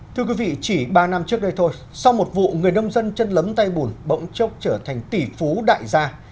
thưa quý vị chỉ ba năm trước đây thôi sau một vụ người nông dân chân lấm tay bùn bỗng chốc trở thành tỷ phú đại gia